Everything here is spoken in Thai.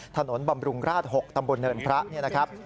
ถนนบำรุงราช๖ตำบลเนินพระนะครับ